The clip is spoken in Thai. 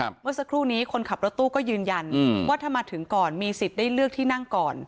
เมื่อสักครู่นี้คนขับรถตู้ก็ยืนยันว่าถ้ามาถึงก่อนมีสิทธิ์ได้เลือกที่นั่งก่อน